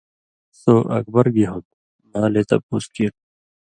سو اکبر گی ہُوندوۡ، مھالے تپُوس کیر